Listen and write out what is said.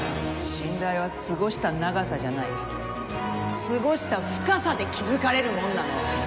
信頼は過ごした長さじゃない過ごした深さで築かれるもんなの。